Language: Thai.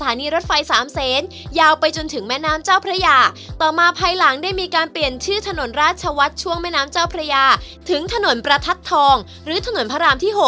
ีรถไฟสามเซนยาวไปจนถึงแม่น้ำเจ้าพระยาต่อมาภายหลังได้มีการเปลี่ยนชื่อถนนราชวัฒน์ช่วงแม่น้ำเจ้าพระยาถึงถนนประทัดทองหรือถนนพระรามที่๖